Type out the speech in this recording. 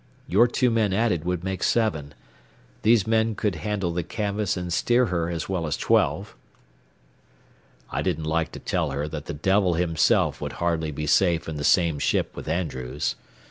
Your two men added would make seven. These men could handle the canvas and steer her as well as twelve." I didn't like to tell her that the devil himself would hardly be safe in the same ship with Andrews.